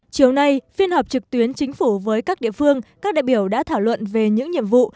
chiều nay phiên họp trực tuyến chính phủ với các địa phương các đại biểu đã thảo luận về những nhiệm vụ